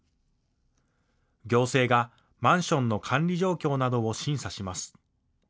行政がマンションの管理状況などを審査します。